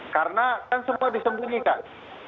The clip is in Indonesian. karena kan semua disembunyikan